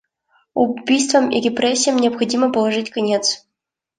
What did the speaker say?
Убийствам и репрессиям необходимо положить конец.